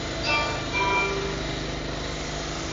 对微分形式的积分是微分几何中的基本概念。